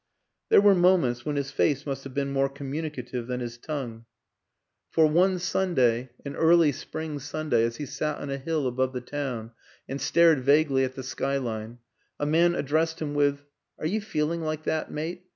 There were moments when his face must have been more communicative than his tongue; for 254 WILLIAM AN ENGLISHMAN one Sunday, an early spring Sunday as he sat on a hill above the town and stared vaguely at the skyline, a man addressed him with, " Are you feeling like that, mate?"